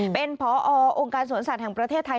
เป็นพอองค์การสวนสัตว์แห่งประเทศไทย